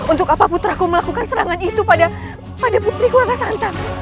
untuk apa putraku melakukan serangan itu pada putriku angka santap